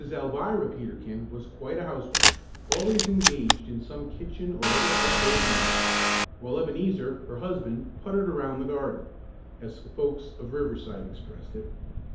Alvirah Peterkin was quite a housewife, always engaged in some kitchen or other household duties, while Ebenezer, her husband "puttered" around the garden, as the folks of Riverside expressed it.